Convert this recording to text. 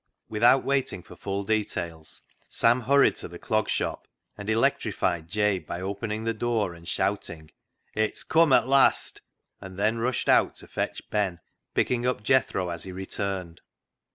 COALS OF FIRE 135 Without waiting for full details, Sam hurried to the Clog Shop and electrified Jabe by opening the door and shouting :" It's cum at last," and then rushed out to fetch Ben, picking up Jethro as he returned.